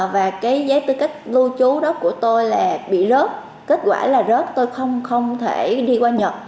và cái giấy tư cách lưu trú đó của tôi là bị lớt kết quả là rớt tôi không thể đi qua nhật